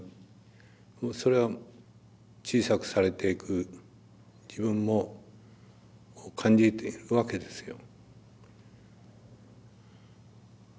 それは小さくされていく自分も感じているわけですよ。